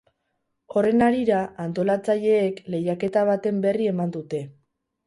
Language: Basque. Horren harira, antolatzaileek lehiaketa baten berri eman dute.